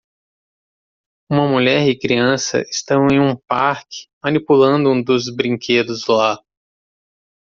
Uma mulher e criança estão em um parque manipulando um dos brinquedos lá